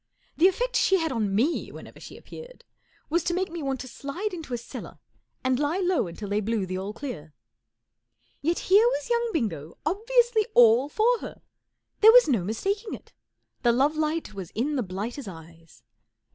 The effect she had on me whenever she appeared was to make me want to slide into a cellar , arid lie low till they blew the All Clear. Vet here was young Bingo obviously all for her. There was no mistaking it. The love light was in the blighter's eyes.